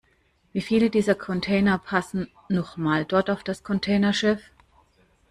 Wie viele dieser Container passen noch mal dort auf das Containerschiff?